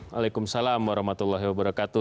waalaikumsalam warahmatullahi wabarakatuh